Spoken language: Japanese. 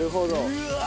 うわ！